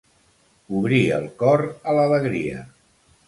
Obrir el cor a l'alegria.